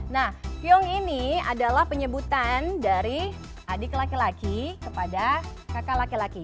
nah pyong ini adalah penyebutan dari adik laki laki kepada kakak laki laki